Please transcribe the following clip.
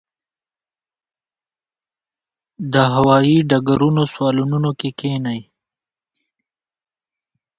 د هوايي ډګرونو صالونونو کې کښېني.